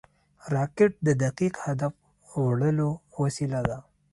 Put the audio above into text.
راکټ د دقیق هدف وړلو وسیله ده